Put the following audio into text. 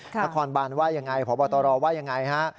นครบานว่ายังไงผอบตรวรว่ายังไง